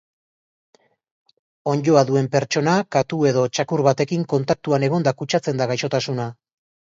Onddoa duen pertsona, katu edo txakur batekin kontaktuan egonda kutsatzen da gaixotasuna.